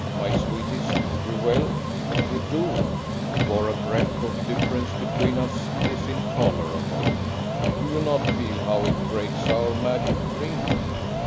My sweetest, you will? you do! For a breath of difference between us is intolerable. Do you not feel how it breaks our magic ring?